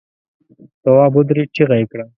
تواب ودرېد، چيغه يې کړه!